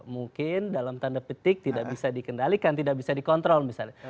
mungkin dalam tanda petik tidak bisa dikendalikan tidak bisa dikontrol misalnya